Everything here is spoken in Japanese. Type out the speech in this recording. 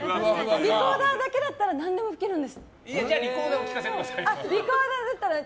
リコーダーだったら何でも吹けるので。